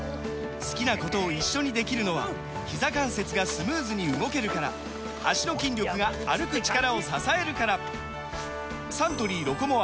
好きなことを一緒にできるのはひざ関節がスムーズに動けるから脚の筋力が歩く力を支えるからサントリー「ロコモア」！